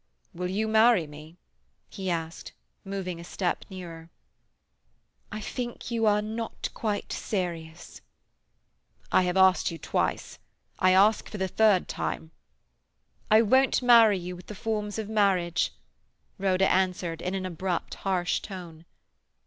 "Will you marry me?" he asked, moving a step nearer. "I think you are "not quite serious"." "I have asked you twice. I ask for the third time." "I won't marry you with the forms of marriage," Rhoda answered in an abrupt, harsh tone.